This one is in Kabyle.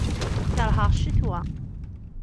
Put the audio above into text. Kerheɣ ccetwa.